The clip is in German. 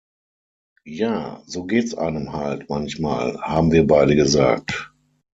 Ja, so geht’s einem halt manchmal, haben wir beide gesagt.